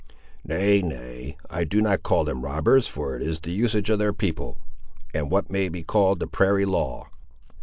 "Nay—nay—I do not call them robbers, for it is the usage of their people, and what may be called the prairie law."